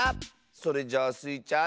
それじゃあスイちゃん